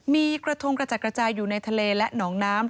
มีกระทงกระจัดกระจายอยู่ในทะเลและหนองน้ำ